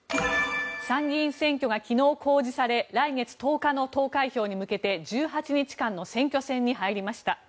参議院選挙が昨日公示され来月１０日の投開票に向けて１８日間の選挙戦に入りました。